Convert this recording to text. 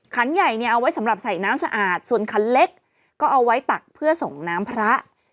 ขันใหญ่เนี่ยเอาไว้สำหรับใส่น้ำสะอาดส่วนขันเล็กก็เอาไว้ตักเพื่อส่งน้ำพระ